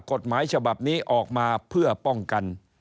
กฎหมายฉบับนี้ออกมาเพื่อป้องกัน